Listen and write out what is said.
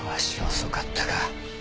遅かったか。